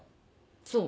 そう。